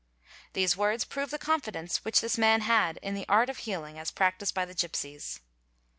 These words prove the confidence which this man had in the i art of healing as practised by the gipsies.